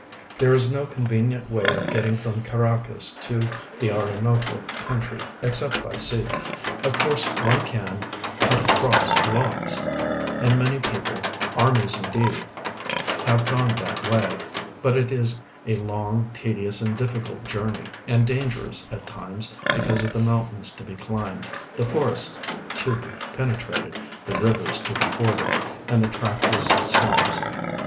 There is no convenient Avay of getting from Caracas to the Orinoco country exce})t by sea. Of course, one can "cut across lots," and many peoi)le, armies, indeed, have gone tliat Avay, but it is a long, tedious, and diflicult journey, and dangerous at times, because of the mountains to be climbed, the forests to bo ])enetrated, the rivers to be forded, and the trackless swani|)s.